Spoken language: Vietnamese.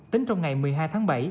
tính trong ngày một mươi hai tháng bảy